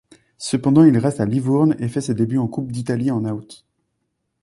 Cependant il reste à Livourne et fait ses débuts en Coupe d'Italie en août.